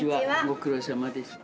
ご苦労さまです